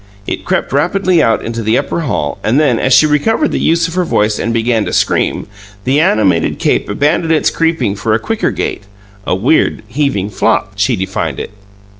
It crept rapidly out into the upper hall, and then, as she recovered the use of her voice and began to scream, the animated cape abandoned its creeping for a quicker gait "a weird, heaving flop," she defined it.